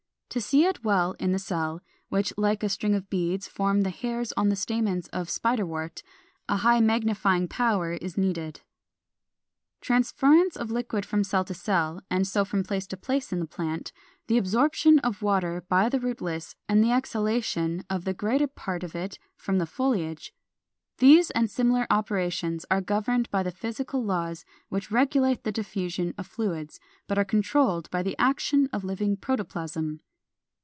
To see it well in the cell, which like a string of beads form the hairs on the stamens of Spiderwort, a high magnifying power is needed. 462. =Transference of Liquid from Cell to Cell=, and so from place to place in the plant, the absorption of water by the rootlets, and the exhalation of the greater part of it from the foliage, these and similar operations are governed by the physical laws which regulate the diffusion of fluids, but are controlled by the action of living protoplasm.